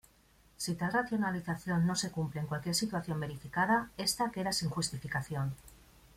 Si tal racionalización no se cumple en cualquier situación verificada, esta queda sin justificación.